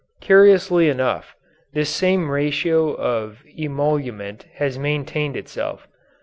Curiously enough, this same ratio of emolument has maintained itself.